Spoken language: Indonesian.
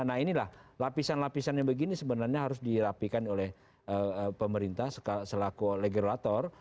nah inilah lapisan lapisannya begini sebenarnya harus dirapikan oleh pemerintah selaku legislator